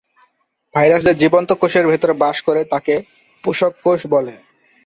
Virus যে জীবন্ত কোষের ভেতরে বাস করে, তাকে পোষক কোষ বলে।